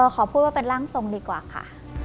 ขอพูดว่าเป็นร่างทรงดีกว่าค่ะ